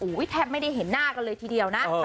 แทบไม่ได้เห็นหน้ากันเลยทีเดียวนะ